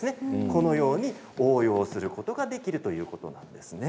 このように応用することができるということなんですね。